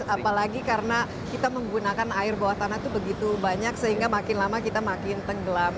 apalagi karena kita menggunakan air bawah tanah itu begitu banyak sehingga makin lama kita makin tenggelam